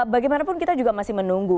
bagaimanapun kita juga masih menunggu